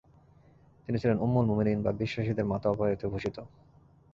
তিনি ছিলেন উম্মুল মুমিনীন বা "বিশ্বাসীদের মাতা" উপাধিতে ভুষিত।